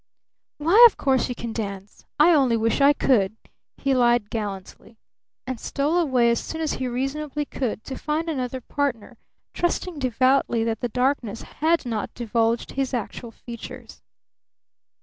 "Why, of course you can dance! I only wish I could!" he lied gallantly. And stole away as soon as he reasonably could to find another partner, trusting devoutly that the darkness had not divulged his actual features.